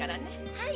はい。